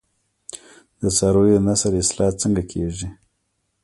د څارویو د نسل اصلاح څنګه کیږي؟